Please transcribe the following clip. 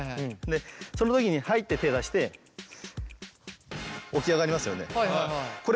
でその時に「はい」って手を出して起き上がりますよね。